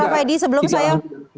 baik prof edi sebelum saya